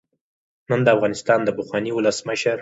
نن د افغانستان د پخواني ولسمشر